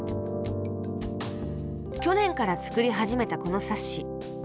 去年から作り始めたこの冊子。